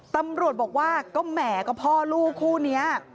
ตำรวจบอกว่าก็แหมก็พ่อลูกคู่นี้